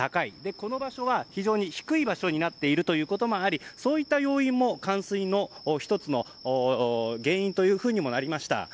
この場所は非常に低い場所になっていることもありそういった要因も冠水の１つの原因となりました。